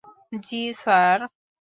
জী, স্যার।